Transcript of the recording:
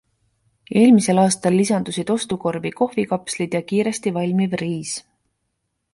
Eelmisel aastal lisandusid ostukorvi kohvikapslid ja kiiresti valmiv riis.